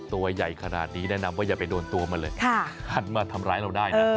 ตัวใหญ่ขนาดนี้แนะนำว่าอย่าไปโดนตัวมันเลยหันมาทำร้ายเราได้นะ